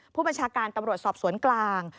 ผู้บัญชาการตำรวจสอบสวนกลาง